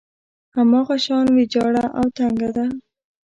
هماغه شان ويجاړه او تنګه ده.